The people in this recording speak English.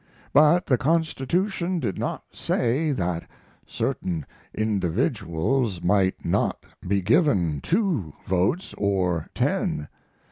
But the constitution did not say that certain individuals might not be given two votes or ten.